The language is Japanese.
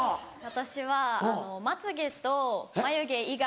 私はまつげと眉毛以外の。